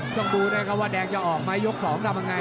ต้องดูนะครับว่าแดงจะออกไหมยก๒ทำยังไง